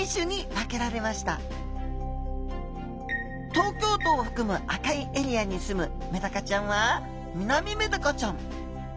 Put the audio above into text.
東京都を含む赤いエリアにすむメダカちゃんはミナミメダカちゃん。